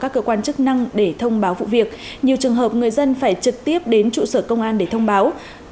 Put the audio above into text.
các cơ quan chức năng để thông báo vụ việc nhiều trường hợp người dân phải trực tiếp đến trụ sở công an để thông báo